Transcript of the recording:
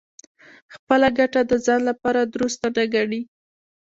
خپله ګټه د ځان لپاره دُرسته نه ګڼي.